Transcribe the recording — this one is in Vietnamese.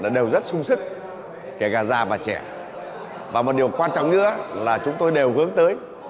đều rất sung sức kể cả già và trẻ và một điều quan trọng nữa là chúng tôi đều hướng tới